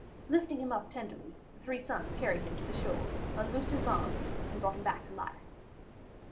Lifting him up tenderly, the three sons carried him to the shore, unloosed his bonds, and brought him back to life.